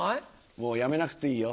もうやめなくていいよ